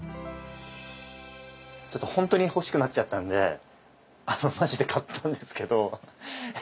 ちょっと本当に欲しくなっちゃったんであのまじで買ったんですけど。